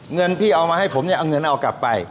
เงินพี่เอามาให้ผมเนี่ยเอาเงินเอากลับไป